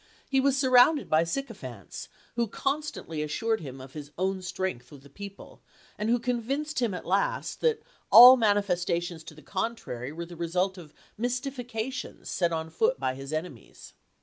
He was surrounded by sycophants who constantly assured him of his own strength with the people, and who convinced him at last that all manifestations to the contrary were the result of mystifications set on foot by his enemies.